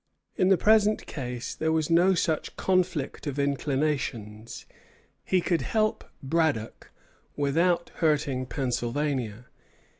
In the present case there was no such conflict of inclinations; he could help Braddock without hurting Pennsylvania.